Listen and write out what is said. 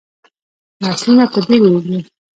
نسلونه په دې لویږي.